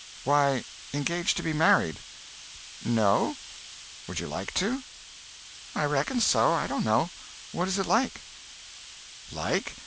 "Why, engaged to be married." "No." "Would you like to?" "I reckon so. I don't know. What is it like?" "Like?